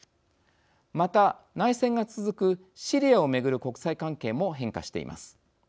また、内戦が続くシリアを巡る国際関係も変化しています。